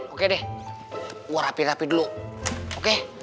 oke deh mau rapi rapi dulu oke